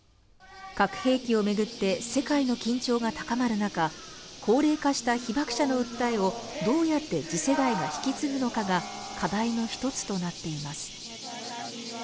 核兵器を巡って世界の緊張が高まる中、高齢化した被爆者の訴えをどうやって次世代が引き継ぐかが課題の一つとなっています。